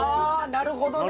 なるほど。